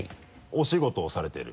お仕事をされている？